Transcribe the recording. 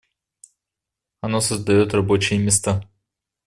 Оно создает рабочие места.